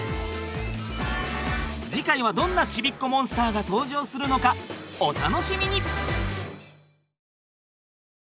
次回はどんなちびっこモンスターが登場するのかお楽しみに！